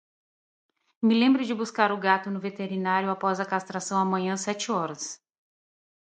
Me lembre de buscar o gato no veterinário após a castração amanhã sete horas.